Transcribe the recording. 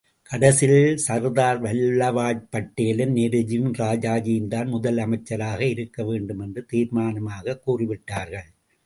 கடைசியில் சர்தார் வல்லபாய்படேலும், நேருஜியும் ராஜாஜிதான் முதலமைச்சராக இருக்க வேண்டும் என்று தீர்மானமாகக் கூறிவிட்டார்கள்.